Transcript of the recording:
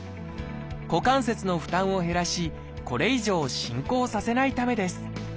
股関節の負担を減らしこれ以上進行させないためです。